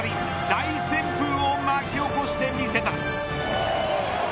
大旋風を巻き起こしてみせた。